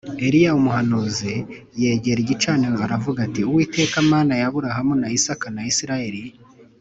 Eliya umuhanuzi yegera igicaniro aravuga ati “Uwiteka Mana ya Aburahamu na Isaka na Isirayeli